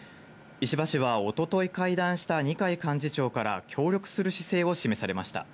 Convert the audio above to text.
石破氏はおととい会談した二階幹事長から協力する姿勢を示されました。